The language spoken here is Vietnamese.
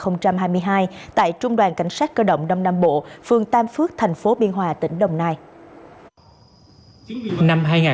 năm hai nghìn hai mươi hai trung đoàn cảnh sát cơ động đông nam bộ phương tam phước tp biên hòa tỉnh đồng nai